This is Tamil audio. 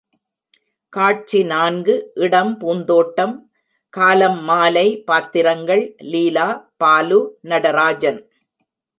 காட்சி நான்கு இடம் பூந்தோட்டம் காலம் மாலை பாத்திரங்கள் லீலா, பாலு, நடராஜன்.